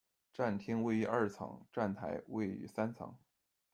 站厅位于二层，站台位于三层。